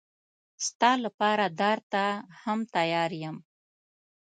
ستا لپاره دار ته هم تیار یم.